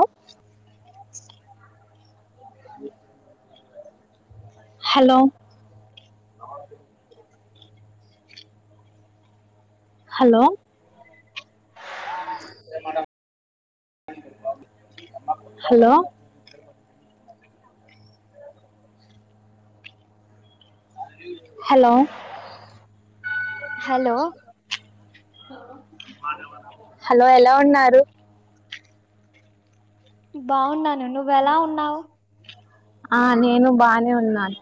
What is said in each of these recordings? అ hello hello hello hello hello hello hello ఎలా ఉన్నారు బావున్నాను నువ్ ఎలా ఉన్నావ్ ఆ నేను బానే ఉన్నాన్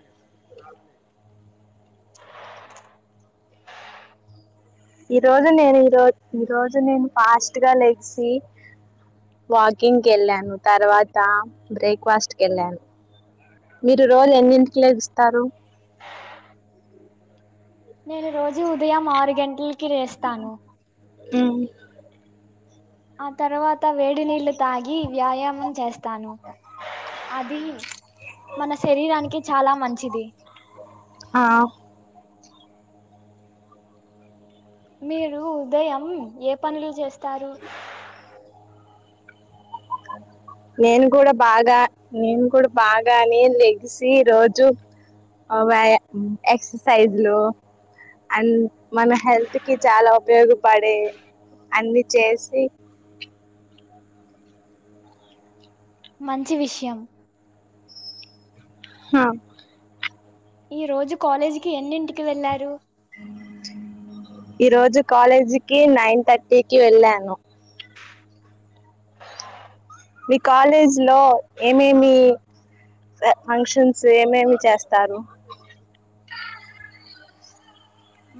ఈ రోజు నేను ఈరోజ్ ఈ రోజు నేను ఫాస్ట్ గా లెక్సీ వాకింగ్క వెళ్ళాను తర్వాత బ్రేక్ఫాస్ట్క వెళ్ళాను మీరు రోజు ఎన్నింటికి లేగుస్తారు నేను రోజు ఉదయం ఆరు గంటలకి లేస్తాను ఉమ్ ఆ తర్వాత వేడి నీళ్లు తాగి వ్యాయామం చేస్తాను అధి మన శరీరానికి చాలా మంచిది ఆ మీరు ఉదయం ఏ పనులు చేస్తారు నేను కూడా బాగా నేను కూడా బాగానే లెగిసి రోజు అ వాయ ఎక్సర్ సైజ్ లు అండ్ మన హెల్త్ కి చాలా ఉపయోగపడే అన్ని చేసి మంచి విషయం హ ఈ రోజు కాలేజీకి ఎన్నింటికి వెళ్లారు ఈ రోజు కాలేజీకిి నైన్ తట్టికి వెళ్ళాను మీ కాలేజ్ లో ఏమేమి ఫంక్షన్స్ ఏమేమి చేస్తారు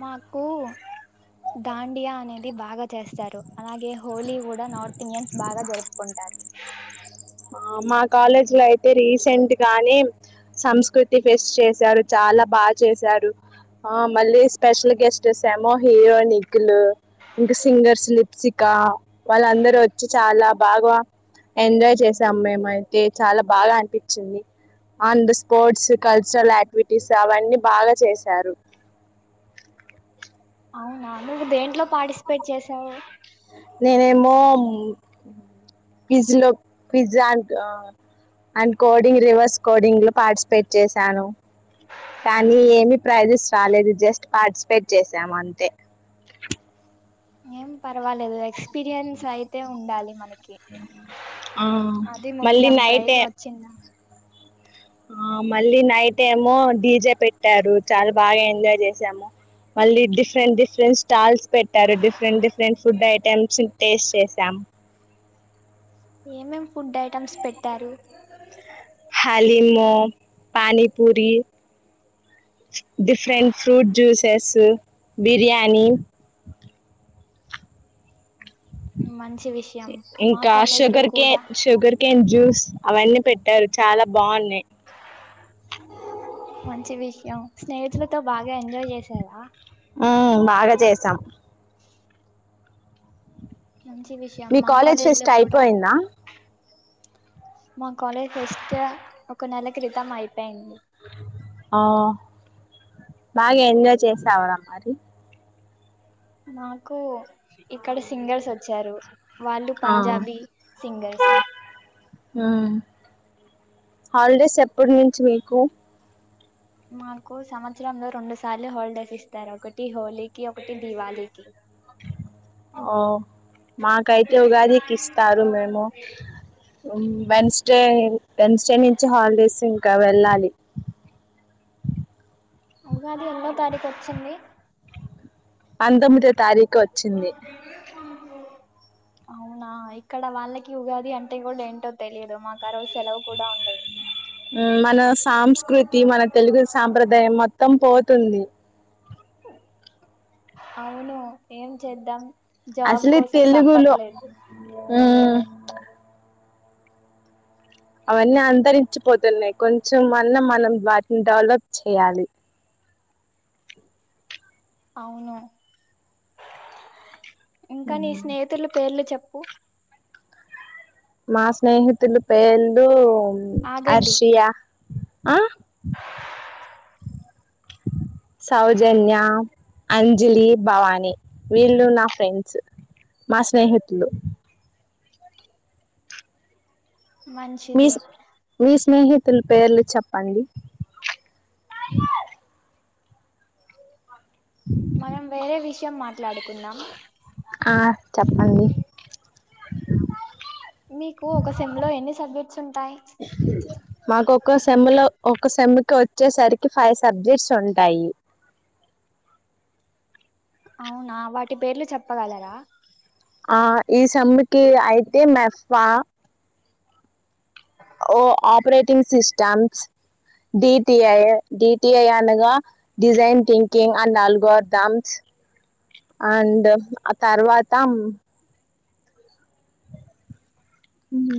మాకు దాండియా అనేది బాగా చేస్తారు అలాగే హోలీ కూడా నార్త్ ఇండియన్స్ బాగా జరుపుకుంటా టార్ మా కాలేజ్ లో అయితే రీసెంట్ గానే సంస్కృతి ఫెస్ట్ చేశారు చాలా బాగా చేశారు ఆ మళ్ళీ స్పెషల్ గెస్ట్ ఎస్ ఏమో హీరో నిఖిల్ ఇంకా సింగర్స్ లిప్సికా వాళ్ళ అందరూ వచ్చి చాలా బాగా ఎంజాయ్ చేస్ సామ్ మేం అయితే చాలా బాగా అనిపించింది అండ్ స్కోట్స్ కల్చరల్ యాక్టివిటీస్ అవన్నీ బాగా చేశారు అవునా నువ్వు దేంట్లో పార్టిసిపేట్ చేసావు నేనేమో క్విజ్ లో quiz and and coding reverse coding లో పార్టిసిపేట్ చేశాను కానీ ఏమిీ ప్రైజెస్ రాలేదు జస్ట్ పార్టిసిపేట్ చేసాము అంతే ఏం పర్వాలేదు ఎక్స్పీరియన్స్ అయితే ఉండాలి మనకి ఆ, అది మళ్ళీ ముఖ్యం నైట్ ప్రైజు ఏ- వచ్చిందా ఆ మళ్ళీ నైటేమో డీజే పెట్టారు చాలా బాగా ఎంజాయ్ చేసాము మళ్ళీ డిఫరెంట్ డిఫరెంట్ స్టాల్స్ పెట్టారు different different food items taste చేసాం ఏమేమ్ ఫుడ్ ఐటమ్స్ పెట్టారు కలీమొ pani puri different fruit juices biryani మం ఇంకా sugar cane sugar cane juice అవన్నీ పెట్టారు చాలా బాన్నాయ్ మంచి విషయం స్నేహితులతో బాగా ఎంజాయ్ జేసావా ఉ బాగా చేసాం మంచి విషయం మీ మా కాలేజ్ లో ఫెస్ట్ కూడా అయిపోయిందా మా కాలేజ్ ఫెస్టు ఒక నెల క్రితం అయిపోయింది ఔ బాగా ఎంజాయ్ చేసావరా మరి మాకు ఇక్కడ సింగర్స్ వచ్చారు వాళ్ళు ఆ. పంజాబీ సింగర్స్ మ్మ్. హాలిడేస్ ఎప్పడునుంచి మీకు మాకు సంవత్సరంలో రెండు సార్లు హాలిడేస్ ఇస్తారు ఒకటి హోలీకి ఒకటి దివాళికి ఓ మాకైతే ఉగాదికి ఇస్తారు మేము ఉమ్ వెన్స్డే వెన్స్డే నుంచి హాలిడేసు ఇంక వెళ్ళాలి ఉగాది ఎన్నో తారీకొచ్చింది అంతొమ్మిదో తారీఖు వచ్చింది అవునా ఇక్కడ వాళ్ళకి ఉగాది అంటే కూడా ఏంటో తెలియదు మాకు ఆరోజు సెలవు కూడా ఉండదు ఉమ్ మనస్ సంస్కృతి మన తెలుగు సాంప్రదాయం మొత్తం పోతుంది అవును ఏం చేద్దాం జాబ్ అసలు ఇది కోసం తెలుగులో తప్పట్లేదు ఊ అవన్నీ అంతరించిపోతున్నాయ్ కొంచెం అన్నా మనం వాటిని డెవలప్ చేయాలి అవును ఇంకా నీ స్నేహితులు పేర్లు చొప్ ప్పు మా స్నేహితులు పేర్లు ఆగండి అర్షియా ఆ సౌజన్య అంజలి భవాని వీళ్ళు నా ఫ్రెండ్సు మా స్నేహితులు మంచిది మీస్ మీస్నేహి తలు పేర్లు చెప్పండి మనం వేరే విషయం మాట్లాడుకుందాం ఆ చప్పండి మీకు ఒక సేమ్ లో ఎన్ని సబ్జెక్ట్స్ ఉంటాయి నాక్కొక్క సెమ్ లో ఒక్క సెమ్కు వచ్చేసరికి ఫైవ్ సబ్జెక్ట్స్ ఉంటాయి అవునా వాటి పేర్లు చెప్పగలరా ఆ ఈ సమ్మెకి అయితే మెఫ్ఫా ఓ ఆపరేటింగ్ సిస్టమ్స్ డిటిఐ డిటిఐ అనగా design thinking and algorithms and ఆ తర్వాత ఉమ్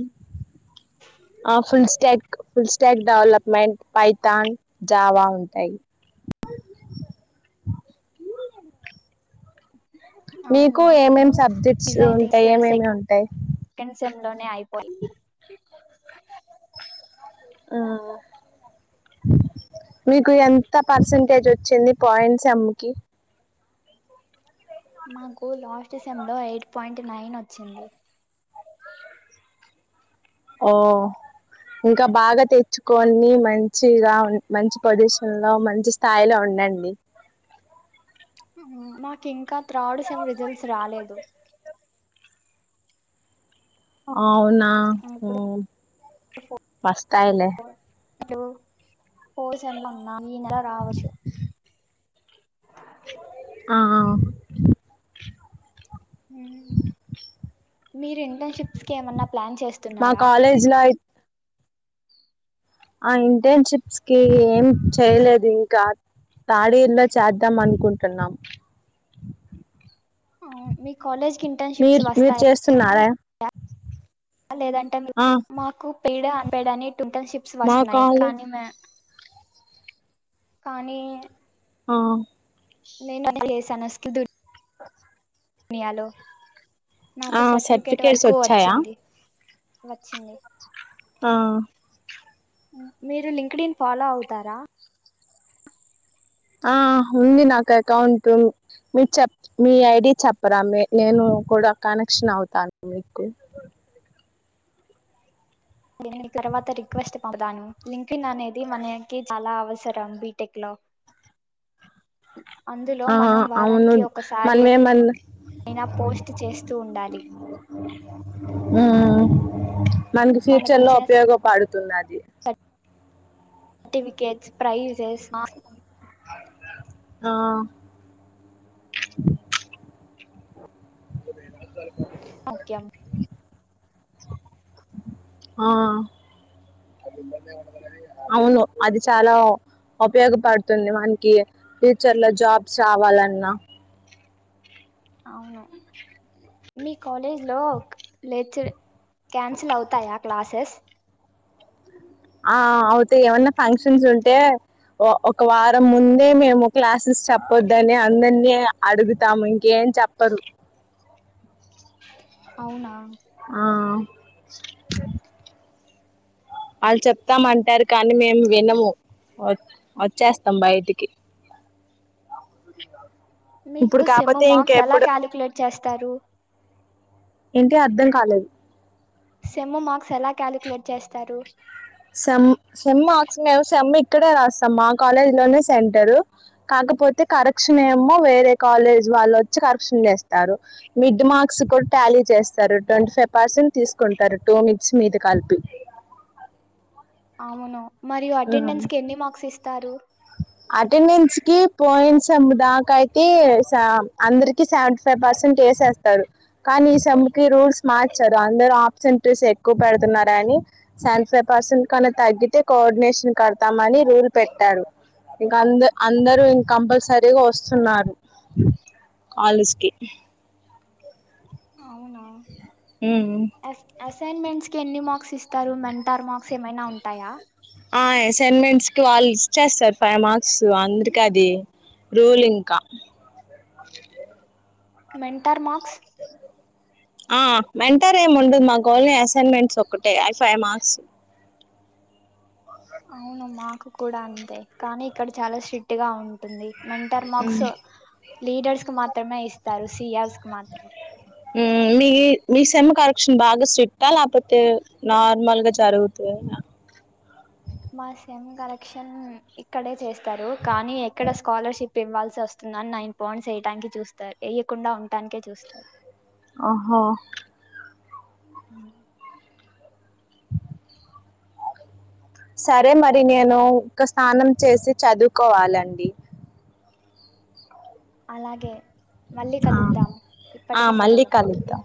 ఆ full stack full stack development Python Java ఉంటాయి మీకు అవునా ఏమేమి సబ్జెక్ట్స్ ఉంటాయి ఏమేమి ఉంటాయి కెన్ సెంలోనే అయిపోయ్ ఆ మీకు ఎంత పర్సంటేజ్ వచ్చింది పాయింట్స్ సెమ్ముకి మాకు లాస్ట్సెమ్ంలో ఎయిట్ పాయింట్ నైన్ వచ్చింది ఓ ఇంకా బాగా తెచ్చుకొని మంచిగా మంచి పొజిషన్ లో మంచి స్థాయిలో ఉ నండి మాకు ఇంకా త్రాడు సేం రిజల్ట్స్ రాలేదు అవునా ఆ ఇప్పుడు వస్తాయిలే దొ పోయి చెమ్మన్నా ఈ నెల రావచ్చు ఆ ఆ ఓ మీరు ఇంటర్న్షిప్స్కి ఏమన్నా ప్లాన్ మా చేస్తున్నారా కాలేజ్ అయ్ ఆ ఇంటర్న్షిప్స్ కి ఏం చేయలేదు ఇంకా థర్డ్ ఇయర్లో చేద్దాం అనుకుంటున్నాం ఆ మీ కాలేజ్ కి ఇంటర్న్షిప్స్ మీరు మీరు వస్తాయా చేస్తున్నారే లేదంటే ఆ మాకు పీడ అపేడాని టంటెన్షిప్స్ మా వస్తున్నాయి కాలేజ్ కానీ మ కానీ ఆ నేన్ అది చేశాన్ అస్త్ దుర్గ్ నియాలో నాకు ఆ సర్టిఫికేట్ సర్టిఫికేట్స్ వరకు వచ్చాయా వచ్చింది వచ్చింది ఆ మీరు లింక్డన్ ఫాలో అవుతారా ఆ ఉంది నాకు అకౌంట్ మీరు చెప్ మీ ఐడి చెప్పరా మీ నేను కూడా కనెక్షన్ అవుతాను మీకు నేను తర్వాత రిక్వెస్ట్ పంపుతాను లింక్ ఇన్ అనేది మనకి చాలా అవసరం బీటెక్ లో అందులో ఆ మనం అవును వారానికి ఒకసారి మన్మేమన్ ఆ అయినా పోస్ట్ చేస్తూ ఉండాలి ఆ ఆ మనకి ఫ్యూచర్ లో మనకొచ్చిన ఉపయోగపడుతుందది సర్టిఫికెట్స్ ప్రైజెస్ మా ఆ ఓకేమ్ ఆ అవును అది చాలా ఉపయోగపడుతుంది మనకి ఫ్యూచర్ లో జాబ్స్ రావాలన్నా అవును మీ కాలేజ్ లో లెక్చర్ క్యాన్సిల్ అవుతాయా క్లాసెస్ ఆ అవుతాయి ఏమన్నా ఫంక్షన్స్ ఉంటే ఒక వారం ముందే మేము క్లాసెస్ చెప్పొద్దని అందరినీ అడుగుతాము ఇంకే చెప్పరు అవునా ఆ వాళ్ళు చెప్తామంటారు కానీ మేము వినము వచ్చేస్తాం బయటికి మీకు ఇప్పుడు సెమ్ కాకపోతే మార్క్స్ ఎలా ఇంకెప్పుడు కాలిక్యులేట్ చేస్తారు ఏంటి అర్ధం కాలేదు సెమ్ మార్క్స్ ఎలా కాలిక్యులేట్ చేస్తారు సెమ్ సెమ్ మార్క్స్ మేము సెమ్ ఇక్కడే రాస్తాం మా కాలేజ్ లోనే సెంటరు కాకపోతే కరెక్షన్ ఏమో వేరే కాలేజ్ వాళ్ళు వచ్చి కరెక్షన్ చేస్తారు మిడ్ మార్క్స్ కూడా టాలీ చేస్తారు ట్వంటీ ఫైవ్ పర్సెంట్ తీసుకుంటారు టూ మిడ్స్ మీద కలిపి అ అవును మరియు ఉమ్. అటెండెన్స్ కి ఎన్ని మార్క్స్ ఇస్తారు అటెండెన్స్ కి పోయిన్ సెమ్ దాకా అయితే అందరికి సెవెంటీ ఫైవ్ పర్సెంట్ వేసేస్తారు కానీ ఈ సెమ్ కి రూల్స్ మార్చారు అందరు అబ్సెంటీస్ ఎక్కువ పెడుతున్నారు అని సెవెంటీ ఫైవ్ పర్సెంట్ కన్నా తగ్గితే కోఆర్డినేషన్ కడతామని రూల్ పెట్టాడు ఇంకా అంద అందరు ఇంక కంపల్సరీగా వస్తున్నారు కాలేజ్కి అవునా అస్ అసైన్మెంట్స్ కి ఎన్ని మార్క్స్ ఇస్తారు మెంటార్ మార్క్స్ ఏమైనా ఉంటాయా ఆ అసైన్మెంట్స్ కి వాళ్ళు ఇచ్చేస్తారు ఫైవ్ మార్క్స్ అందరికి అది రూల్ ఇంకా మెంటార్ మార్క్స్ ఆ మెంటార్ ఏం ఉండదు మాకు ఓన్లీ అసైన్మెంట్స్ ఒకటే అవి ఫైవ్ మార్క్స్ అవును మాకు కూడా అంతే కానీ ఇక్కడ చాలా స్ట్రిక్ట్ గా ఉంటుంది మెంటార్ మార్క్స్ లీడర్స్ కి మాత్రమే ఇస్తారు సియార్స్ కి మాత్రం మీ మీ సెమ్ కరక్షన్ బాగా స్ట్రిక్ట్ ఆ లేకపోతే నార్మల్ గా జరుగుతదా ఆ మా సెమ్ కలెక్షన్ ఇక్కడే చేస్తారు కానీ ఎక్కడ స్కాలర్షిప్ ఇవ్వాల్సి వస్తుంది అని నైన్ పాయింట్స్ వేయడానికి చూస్తారు వేయ్యకుండా ఉంటానికే చూస్తారు ఓహో ఉమ్ సరే మరి నేను ఇక స్నానం చేసి చదువుకోవాలండి అలాగే మళ్ళీ ఆ! కలుద్దాం ఆ! ఇప్పటికి మళ్ళీ సెలవు కలుద్దాం.